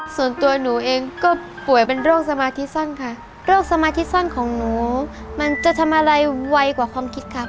ส่วนตัวหนูเองก็ป่วยเป็นโรคสมาธิสั้นค่ะโรคสมาธิสั้นของหนูมันจะทำอะไรไวกว่าความคิดครับ